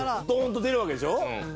どーんと出るわけでしょ？